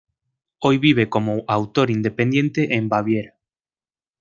Hoy vive como autor independiente en Baviera.